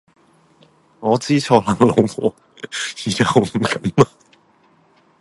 我知錯喇老婆，以後唔敢喇